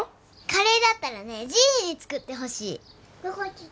カレーだったらねじいじに作ってほしい！